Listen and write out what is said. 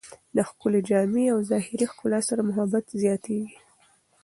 د ښکلې جامې او ظاهري ښکلا سره محبت زیاتېږي.